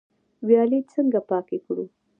ویالې څنګه پاکې کړو؟